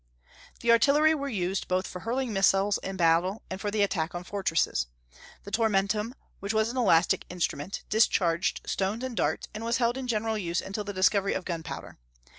The artillery were used both for hurling missiles in battle, and for the attack on fortresses. The tormentum, which was an elastic instrument, discharged stones and darts, and was held in general use until the discovery of gunpowder.